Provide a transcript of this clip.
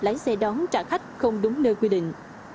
lái xe đón trả khách không đúng nơi quy định